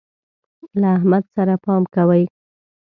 له احمد سره پام کوئ.